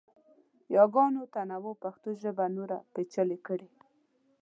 یاګانو تنوع پښتو ژبه نوره پیچلې کړې.